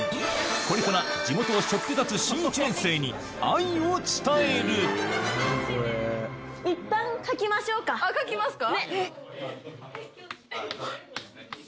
これから地元を背負って立つ新１年生に愛を伝える書きますか？